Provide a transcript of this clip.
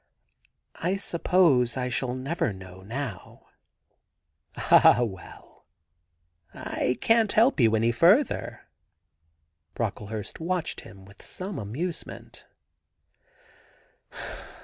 ... I suppose I shall never know now.' * Ah, well, I can't help you any further.' Brockle hurst watched him with some amusement.